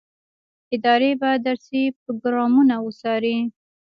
ادارې به درسي پروګرامونه وڅاري.